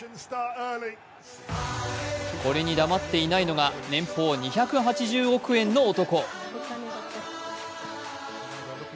これに黙っていないのが年俸２８０億円の男。